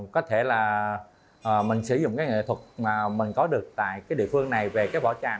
có thể là mình sử dụng nghệ thuật mà mình có được tại địa phương này về vỏ tràm